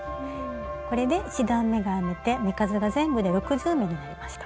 これで１段めが編めて目数が全部で６０目になりました。